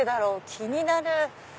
気になる！